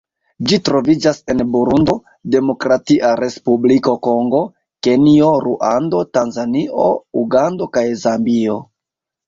Ĝi troviĝas en Burundo, Demokratia Respubliko Kongo, Kenjo, Ruando, Tanzanio, Ugando kaj Zambio.